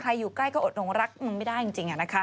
ใครอยู่ใกล้ก็อดลงรักมึงไม่ได้จริงอ่ะนะคะ